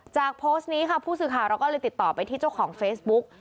โพสต์นี้ค่ะผู้สื่อข่าวเราก็เลยติดต่อไปที่เจ้าของเฟซบุ๊ก